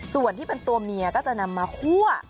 ส่วนที่เป็นตัวเมียก็จะนำมาคั่ว